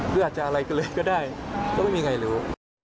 หรืออาจจะอะไรเลยก็ได้ก็ไม่มีอย่างไรหรือ